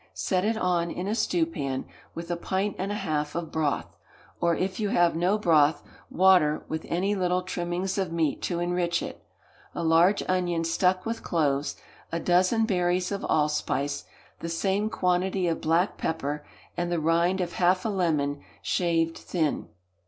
Set it on in a stewpan, with a pint and a half of broth, or, if you have no broth, water, with any little trimmings of meat to enrich it; a large onion stuck with cloves, a dozen berries of allspice, the same quantity of black pepper, and the rind of half a lemon shaved thin.